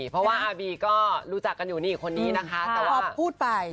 เพราะว่าอาร์บีก็รู้จักกันอยู่นี่อีกคนนี้นะคะ